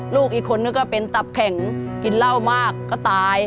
ลูกอีกคนนึงก็เป็นตับแข็งกินเหล้ามากก็ตาย